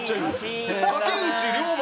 竹内涼真